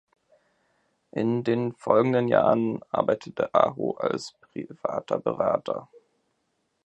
In den folgenden Jahren arbeitete Aho als privater Berater.